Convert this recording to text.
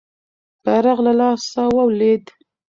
بیرغ له لاسه ولوېد.